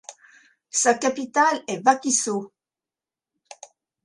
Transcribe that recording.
Sa capitale est Wakiso.